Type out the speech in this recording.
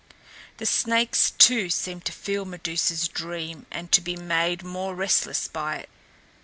The snakes, too, seemed to feel Medusa's dream and to be made more restless by it.